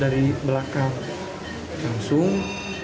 dari belakang langsung